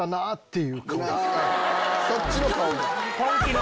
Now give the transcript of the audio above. そっちの顔ね！